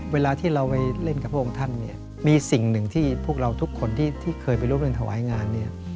เวลาที่เราไปเล่นกับพวกองท่านมีสิ่งหนึ่งที่พวกเราทุกคนที่เคยไปรู้เรื่องถวายงาน